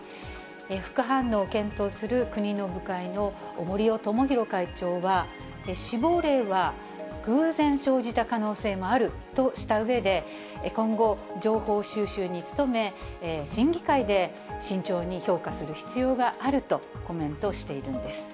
副反応を検討する国の部会の森尾友宏会長は、死亡例は偶然生じた可能性もあるとしたうえで、今後、情報収集に努め、審議会で慎重に評価する必要があるとコメントしているんです。